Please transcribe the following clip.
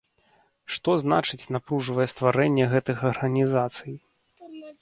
Што значыць напружвае стварэнне гэтых арганізацый?